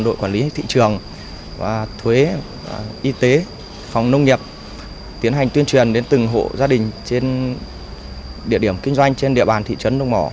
đội quản lý thị trường thuế y tế phòng nông nghiệp tiến hành tuyên truyền đến từng hộ gia đình trên địa điểm kinh doanh trên địa bàn thị trấn nông mỏ